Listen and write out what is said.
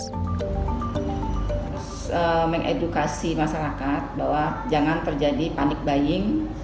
harus mengedukasi masyarakat bahwa jangan terjadi panic buying